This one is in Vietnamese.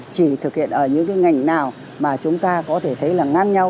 chỉ thực hiện ở những ngành nào mà chúng ta có thể thấy là ngang nhau